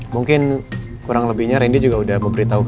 mungkin kurang lebihnya randy juga udah memberitahu pak al